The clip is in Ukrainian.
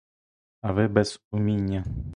А ви без уміння!